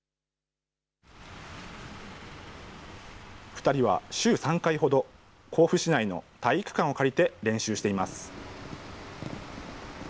２人は週３回ほど、甲府市内の体育館を借りて練習しています。